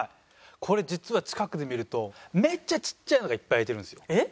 これ実は近くで見るとめっちゃちっちゃい穴がいっぱい開いてるんですよ。